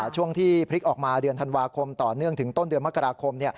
ช่วงที่พลิกออกมาเดือนธันวาคมต่อเนื่องถึงต้นเดือนมกราคม